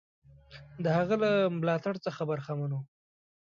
د هغه له ملاتړ څخه برخمن وو.